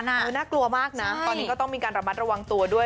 น่ากลัวมากนะตอนนี้ก็ต้องมีการระมัดระวังตัวด้วย